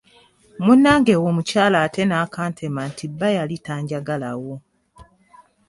Munnange omukyala ate n'akantema nti bba yali tanjagalawo.